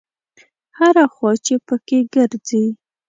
هره خوا چې په کې ګرځې.